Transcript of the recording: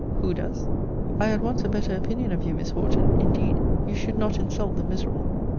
Who does? I had once a better opinion of you, Miss Horton! Indeed you should not insult the miserable.